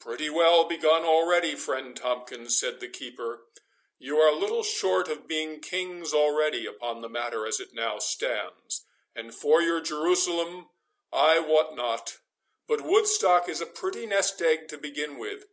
"Pretty well begun already, friend Tomkins," said the keeper; "you are little short of being kings already upon the matter as it now stands; and for your Jerusalem I wot not, but Woodstock is a pretty nest egg to begin with.